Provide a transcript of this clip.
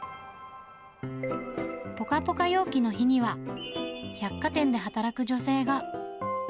ぽかぽか陽気の日には、百貨店で働く女性が。